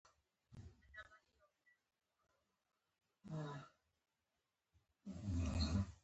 دغه کار د غزنویانو او سلجوقیانو دښمني رامنځته کړه.